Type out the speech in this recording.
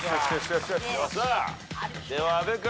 さあでは阿部君。